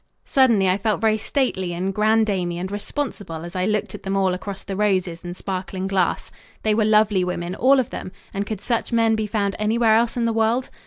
Suddenly I felt very stately and granddamey and responsible as I looked at them all across the roses and sparkling glass. They were lovely women, all of them, and could such men be found anywhere else in the world?